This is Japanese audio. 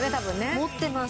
持ってます。